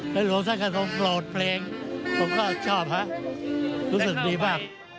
และรู้สักกระทงโปรดเพลงผมก็ชอบฮะรู้สึกดีบ้าง